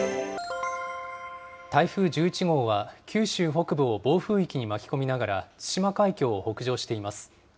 台風１１号は九州北部を暴風域に巻き込みながら、対馬海峡を北上しています。